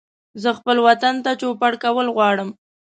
زه خپل وطن ته چوپړ کول غواړم